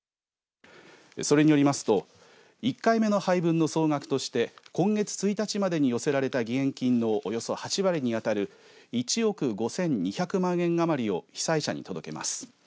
それによりますと１回目の配分の総額として今月１日までに寄せられた義援金のおよそ８割に当たる１億５２００万円あまりを被災者に届きます。